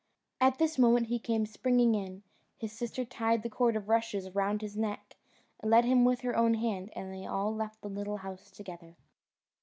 At this moment he came springing in, his sister tied the cord of rushes round his neck, led him with her own hand, and they all left the little house together.